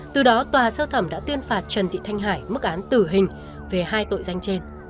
từ đó tòa sơ thẩm đã tuyên phạt trần thị thanh hải mức án tử hình về hai tội danh trên